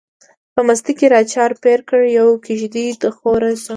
په مستۍ کی را چار پیر کړه، یوه کیږدۍ دخورو څڼو